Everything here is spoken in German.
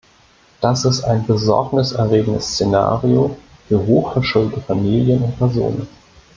Das ist ein Besorgnis erregendes Szenario für hoch verschuldete Familien und Personen.